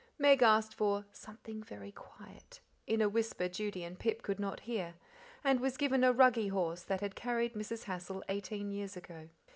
Meg asked for "something very quiet" in a whisper Judy and Pip could not hear, and was given a ruggy horse that had carried Mrs. Hassal eighteen years ago.